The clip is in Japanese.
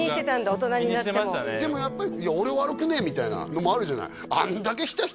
大人になってもでもやっぱり俺悪くねえみたいなのもあるんじゃない？